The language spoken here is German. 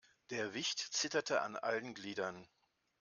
Der Wicht zitterte an allen Gliedern.